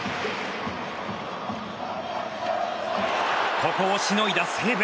ここをしのいだ西武。